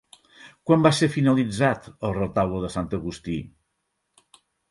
Quan va ser finalitzar el Retaule de Sant Agustí?